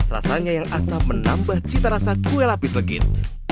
rasanya yang asam menambah cita rasa kue lapis legit